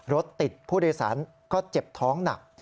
รถติดผู้โดยสารก็เจ็บท้องหนัก